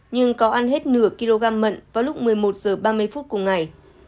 nhưng có ăn hết nửa kg mận vào lúc một mươi một h ba mươi phút cùng ngày